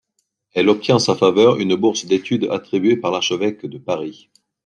Elle obtient en sa faveur une bourse d'études attribuée par l'archevêque de Paris.